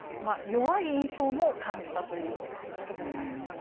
弱い印象も感じたという武隈さんでしたが。